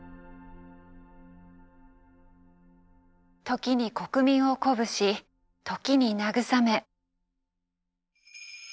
時に国民を鼓舞し時に慰め。